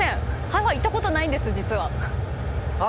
ハワイ行ったことないんです実は。